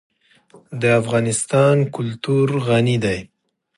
د افغانستان کلتور غني دی.